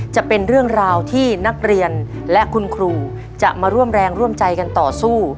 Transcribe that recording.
จะเป็นเรื่องราวที่นักเรียนและคุณครูจะมาร่วมแรงร่วมใจกันต่อสู้